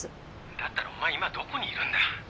「だったらお前今どこにいるんだ？」